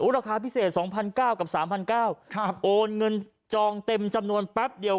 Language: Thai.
ราคาพิเศษ๒๙๐๐กับ๓๙๐๐บาทโอนเงินจองเต็มจำนวนแป๊บเดียว